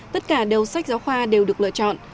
tất cả đầu sách giáo khoa đều được lựa chọn